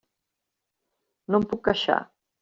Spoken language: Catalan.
No em puc queixar.